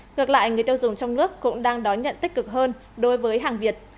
ngược lại người tiêu dùng trong nước cũng đang đón nhận tích cực hơn đối với hàng việt